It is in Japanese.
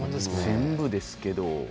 全部ですけど。